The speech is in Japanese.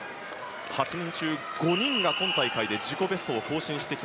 ８人中５人が今大会で自己ベストを更新。